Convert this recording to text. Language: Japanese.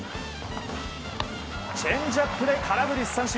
チェンジアップで空振り三振！